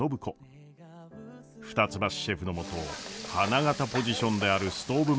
二ツ橋シェフのもと花形ポジションであるストーブ